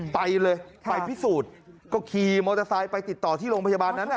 ไปเลยไปพิสูจน์ก็ขี่มอเตอร์ไซค์ไปติดต่อที่โรงพยาบาลนั้น